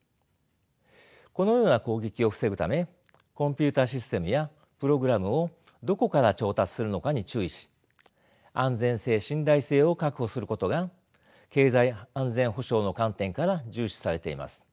このような攻撃を防ぐためコンピューターシステムやプログラムをどこから調達するのかに注意し安全性信頼性を確保することが経済安全保障の観点から重視されています。